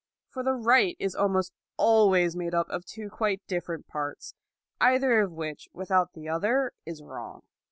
For the right is almost always made up of two quite different parts, either of which without the other is wrong.